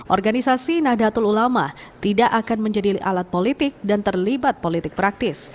organisasi nahdlatul ulama tidak akan menjadi alat politik dan terlibat politik praktis